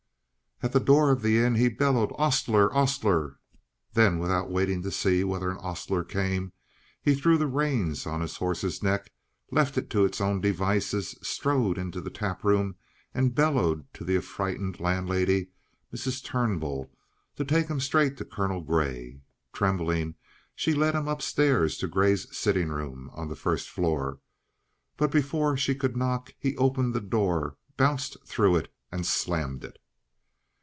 At the door of the inn he bellowed: "Ostler! Ostler!" Then without waiting to see whether an ostler came, he threw the reins on his horse's neck, left it to its own devices, strode into the tap room, and bellowed to the affrighted landlady, Mrs. Turnbull, to take him straight to Colonel Grey. Trembling, she led him upstairs to Grey's sitting room on the first floor. Before she could knock, he opened the door, bounced through it, and slammed it.